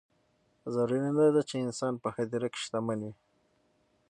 ضروري نه ده چې انسان په هدیره کې شتمن وي.